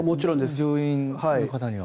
乗員の方には。